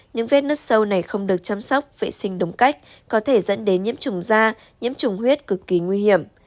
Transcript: những vết nứt sâu này không được chăm sóc vệ sinh đúng cách có thể dẫn đến nhiễm trùng da nhiễm trùng huyết cực kỳ nguy hiểm